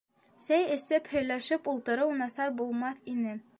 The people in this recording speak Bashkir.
Сәй эсеп һөйләшеп ултырыу насар булмаҫ ине